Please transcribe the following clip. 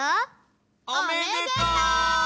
おめでとう！